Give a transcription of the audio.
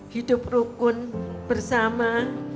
hidup rukun bersama